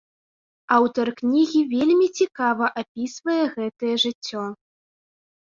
Аўтар кнігі вельмі цікава апісвае гэтае жыццё.